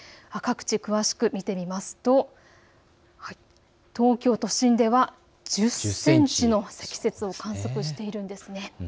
各地、詳しく見てみますと東京都心では１０センチの積雪を観測しているんです。